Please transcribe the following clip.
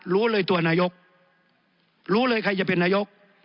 รู้เลยตัวนายกรู้เลยใครจะเป็นนายก